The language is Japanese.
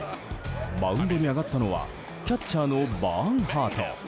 マウンドに上がったのはキャッチャーのバーンハート。